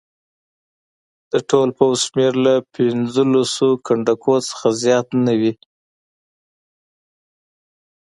د ټول پوځ شمېر له پنځه لسو کنډکو څخه زیات نه وي.